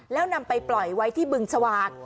แล้วนำไปปล่อยไว้ที่บึงชวาก